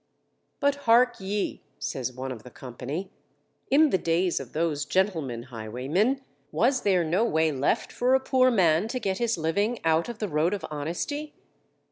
But hark ye, says one of the company, _in the days of those gentlemen highwaymen, was there no way left for a poor man to get his living out of the road of honesty?